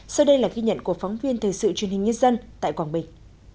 sau đây là ghi nhận của phóng viên thời sự truyền hình nhân dân tại quảng bình